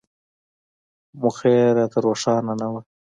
موخه یې راته روښانه نه وه.